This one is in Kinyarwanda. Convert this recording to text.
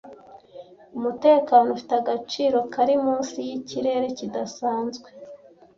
umutekano ufite agaciro kari munsi yikirere kidasanzwe